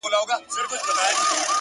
اخلاص د کردار ریښتینی وزن دی،